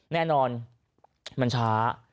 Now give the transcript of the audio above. แน่นอนมันช้า